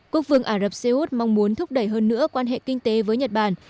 quốc vương ả rập xê út mong muốn thúc đẩy hơn nữa quan hệ kinh tế với nhật bản